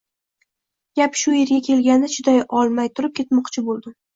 Gap shu erga kelganda chiday olmay, turib ketmoqchi bo`ldim